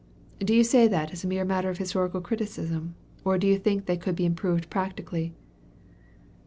"Do you say that as a mere matter of historical criticism, or do you think that they could be improved practically?"